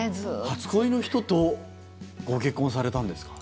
初恋の人とご結婚されたんですか？